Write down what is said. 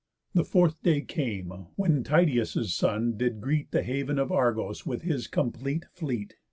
The fourth day came, when Tydeus' son did greet The haven of Argos with his cómplete fleet.